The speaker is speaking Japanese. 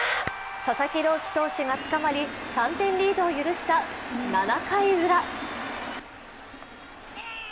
佐々木朗希投手が捕まり３点リードを許した７回ウラ。